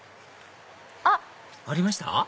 あっ！ありました？